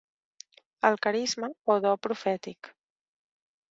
El carisma o do profètic.